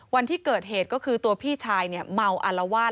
วันที่เกิดเหตุก็คือตัวพี่ชายเนี่ยเมาอารวาส